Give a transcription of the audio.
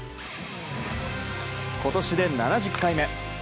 今年で７０回目。